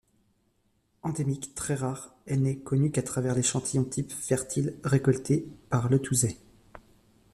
Endémique, très rare, elle n'est connue qu'à travers l'échantillon-type, fertile, récolté par Letouzey.